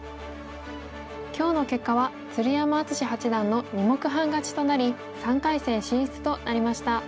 今日の結果は鶴山淳志八段の２目半勝ちとなり３回戦進出となりました。